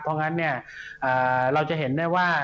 เพราะงั้นเราจะเห็นได้ว่า